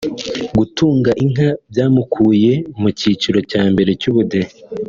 Gutunga inka byamukuye mu cyiciro cya mbere cy’ubudehe